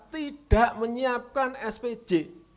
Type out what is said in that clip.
tidak menyiapkan spj